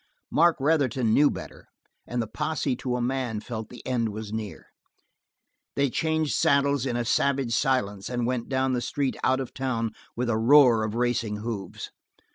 Mark Retherton knew better, and the posse to a man felt the end was near. They changed saddles in a savage silence and went down the street out of town with a roar of racing hoofs.